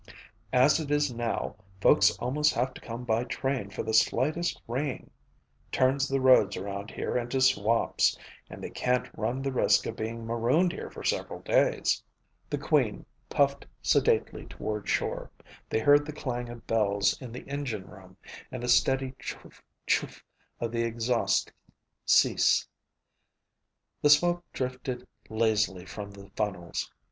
As it is now, folks almost have to come by train for the slightest rain turns the roads around here into swamps and they can't run the risk of being marooned here for several days." The Queen puffed sedately toward shore. They heard the clang of bells in the engine room and the steady chouf chouf of the exhaust cease. The smoke drifted lazily from the funnels.